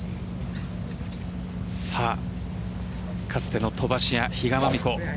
かつての飛ばし屋、比嘉真美子。